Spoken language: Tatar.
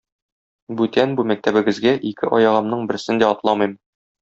Бүтән бу мәктәбегезгә ике аягымның берсен дә атламыйм!